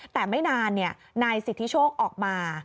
แต่ไม่นานนายสิทธิโชคออกมา